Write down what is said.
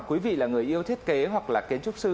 quý vị là người yêu thiết kế hoặc là kiến trúc sư